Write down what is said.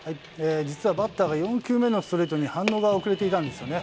実はバッターが４球目のストレートに反応が遅れていたんですよね。